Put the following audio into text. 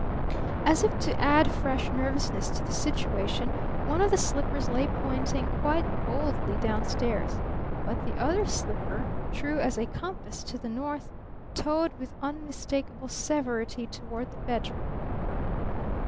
As if to add fresh nervousness to the situation, one of the slippers lay pointing quite boldly down stairs. But the other slipper true as a compass to the north toed with unmistakable severity toward the bedroom.